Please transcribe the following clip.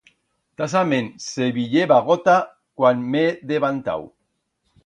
Tasament se viyeba gota cuan m'he devantau.